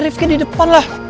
riftnya di depan lah